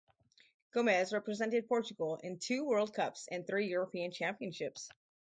Gomes represented Portugal in two World Cups and three European Championships.